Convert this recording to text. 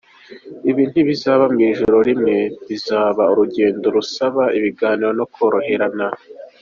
Ibi ntibizaba mu ijoro rimwe, bizaba urugendo rusaba igibiganiro no koroherana.